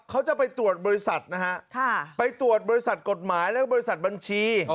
เขาจะไปตรวจบริษัทนะฮะไปตรวจบริษัทกฎหมายและบริษัทบัญชี